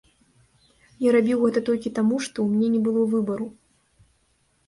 Я рабіў гэта толькі таму, што ў мяне не было выбару.